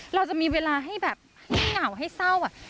เราจะมีเวลาให้แบบให้เหงาให้เศร้า